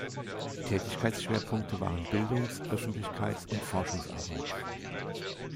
Tätigkeitsschwerpunkte waren Bildungs-, Öffentlichkeits- und Forschungsarbeit.